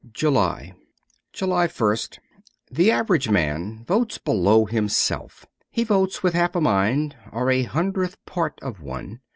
ULY JULY ist THE average man votes below himself ; he votes with half a mind or a hundredth part of one.